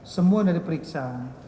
semua yang sudah diperiksa